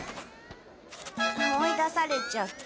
追い出されちゃった。